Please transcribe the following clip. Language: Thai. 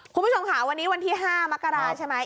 คุณผู้ชมค่ะวันนี้วันที่๕มกราใช่ไหม